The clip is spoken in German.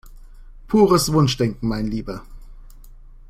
Pures Wunschdenken, mein Lieber!